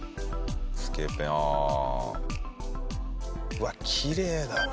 うわっきれいだな。